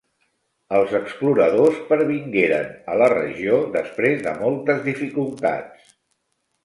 Els exploradors pervingueren a la regió després de moltes dificultats.